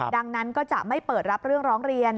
ดังนั้นก็จะไม่เปิดรับเรื่องร้องเรียน